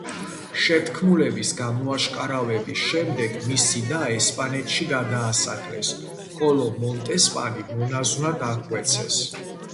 შეთქმულების გამოაშკარავების შემდეგ მისი და ესპანეთში გადაასახლეს, ხოლო მონტესპანი მონაზვნად აღკვეცეს.